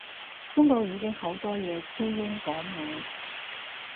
中國已經好多嘢超英趕美